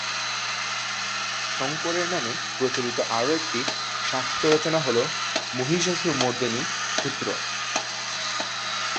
শঙ্করের নামে প্রচলিত আরও একটি শাক্ত রচনা হল "মহিষাসুরমর্দিনী স্তোত্র"।